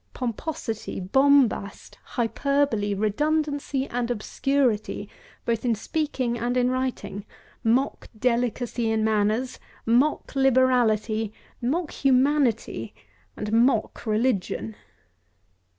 Pomposity, bombast, hyperbole, redundancy, and obscurity, both in speaking and in writing; mock delicacy in manners; mock liberality, mock humanity, and mock religion.